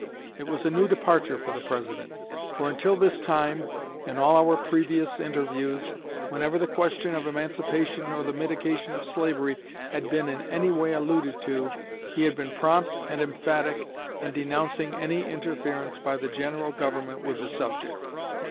It was a new departure for the President, for until this time, in all our previous interviews, whenever the question of emancipation or the mitigation of slavery had been in any way alluded to, he had been prompt and emphatic in denouncing any interference by the General Government with the subject.